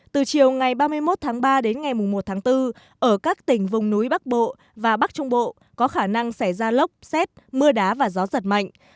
từ chiều ngày ba mươi một tháng ba đến ngày một tháng bốn ở các tỉnh vùng núi bắc bộ và bắc trung bộ có khả năng xảy ra lốc xét mưa đá và gió giật mạnh